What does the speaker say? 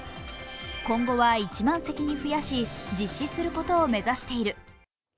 今後は１万席に増やし実施することを目指している。